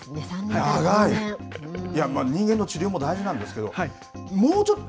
人間の治療も大事なんですけどもうちょっと。